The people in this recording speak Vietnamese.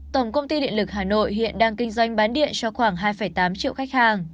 tổng công ty điện lực hà nội hiện đang kinh doanh bán điện cho khoảng hai tám triệu khách hàng